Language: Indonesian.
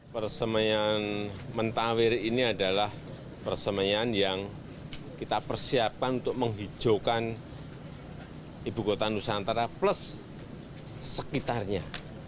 persemaian mentawir ini adalah persemaian yang kita persiapkan untuk menghijaukan ibu kota nusantara plus sekitarnya